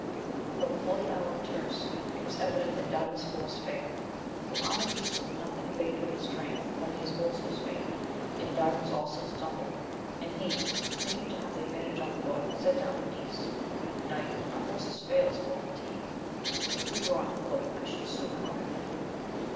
But before the hour of tierce it was evident that Dardan's force failed, though Amadis was nothing abated of his strength, qnly his horse was faint, and Dardan's also stumbled, and he, thinking to have the advantage on foot, said to Amadis, Knight, our horses fail us for fatigue : if we were on foot I should soon conquer thee.